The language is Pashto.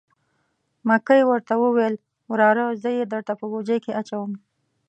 مکۍ ورته وویل: وراره زه یې درته په بوجۍ کې اچوم.